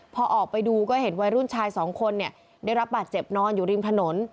พอออกไปดูก็เห็นวัยรุ่นชายสองคนได้รับบาดเจ็บนอนอยู่ริมถนน